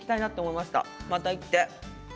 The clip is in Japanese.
また行って。